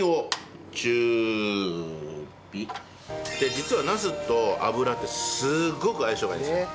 実はナスと油ってすっごく相性がいいんですよ。